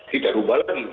kita rubah lagi